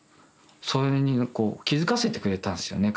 それにこう気付かせてくれたんですよね